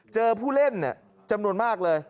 ผู้เล่นจำนวนมากเลย